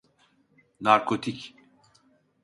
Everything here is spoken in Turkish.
Narkotik.